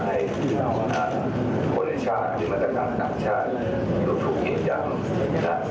ไม่อยากให้คนชาติหรือมันจะกำหนักชาติอยู่ทุกอีกอย่าง